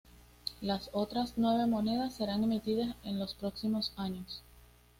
Las otras nueve monedas serán emitidas en los próximos años.